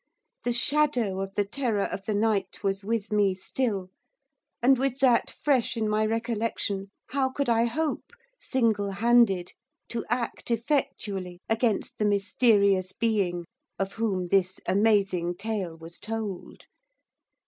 The shadow of the terror of the night was with me still, and with that fresh in my recollection how could I hope, single handed, to act effectually against the mysterious being of whom this amazing tale was told?